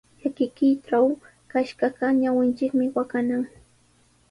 Llakikuytraw kashqaqa ñawinchikmi waqanan.